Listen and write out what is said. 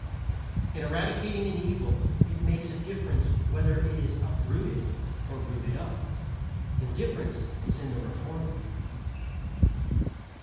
In eradicating an evil, it makes a difference whether it is uprooted or rooted up. The difference is in the reformer.